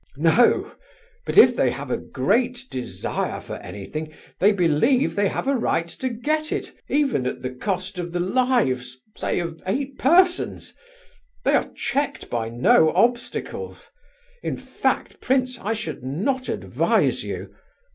No; but if they have a great desire for anything, they believe they have a right to get it even at the cost of the lives, say, of eight persons. They are checked by no obstacles. In fact, prince, I should not advise you..."